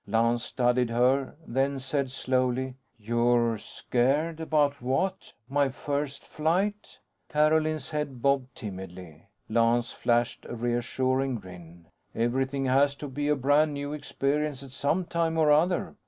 Lance studied her, then said slowly: "You're scared. About what? My first flight?" Carolyn's head bobbed timidly. Lance flashed a reassuring grin. "Everything has to be a brand new experience, at some time or other.